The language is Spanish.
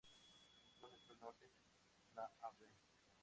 Un kilómetro al norte, la Av.